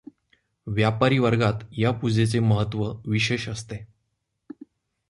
व्यापारी वर्गात या पूजेचे महत्व विशेष असते.